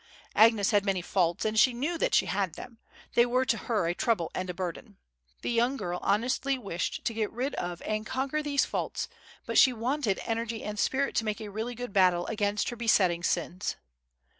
Agnes had many faults, and she knew that she had them; they were to her a trouble and burden. The young girl honestly wished to get rid of and conquer these faults, but she wanted energy and spirit to make a really good battle against her besetting sins.